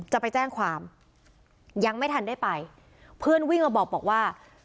จะไปแจ้งความยังไม่ทันได้ไปเพื่อนวิ่งมาบอกบอกว่า